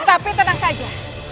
tapi tenang saja